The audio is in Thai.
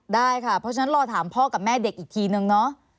ได้ค่ะเพราะฉะนั้นรอถามพ่อกับแม่เด็กอีกทีนึงเนาะ